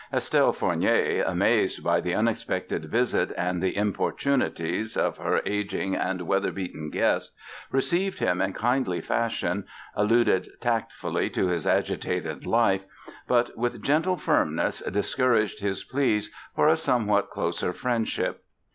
Estelle Fornier, amazed by the unexpected visit and the importunities of her ageing and weather beaten guest, received him in kindly fashion, alluded tactfully to his agitated life but, with gentle firmness, discouraged his pleas for a somewhat closer friendship.